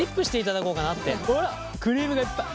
ほらクリームがいっぱい。